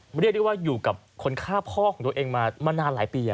เรียกได้ว่าอยู่กับคนฆ่าพ่อของตัวเองมานานหลายปี